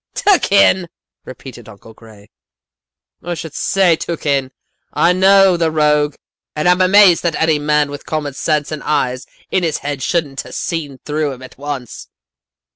"'Took in!' repeated Uncle Gray. 'I should say, took in! I know the rogue and I'm amazed that any man with common sense and eyes in his head shouldn't 'a' seen through him at once.